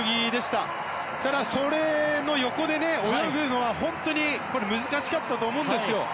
ただ、それの横で泳ぐのは本当に難しかったと思うんですよ。